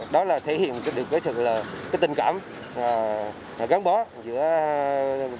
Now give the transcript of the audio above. đó là thể hiện được sự tình cảm gắn bó giữa quảng nam